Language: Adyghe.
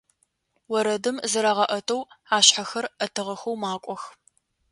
Орэдым зырагъэӀэтэу, ашъхьэхэр Ӏэтыгъэхэу макӀох.